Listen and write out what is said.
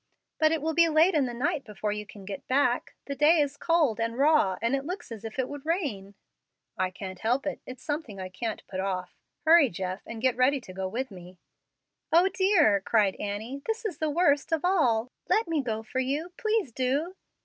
"But it will be late in the night before you can get back. The day is cold and raw, and it looks as if it would rain." "I can't help it. It's something I can't put off. Hurry, Jeff, and get ready to go with me." "O dear!" cried Annie; "this is the worst of all. Let me go for you please do."